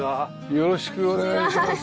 よろしくお願いします。